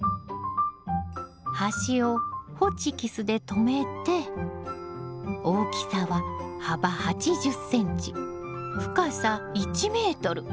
端をホチキスで留めて大きさは幅８０ｃｍ深さ１ｍ。